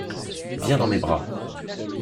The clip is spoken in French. Viens dans mes bras!